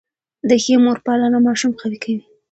د ښې مور پالنه ماشوم قوي کوي.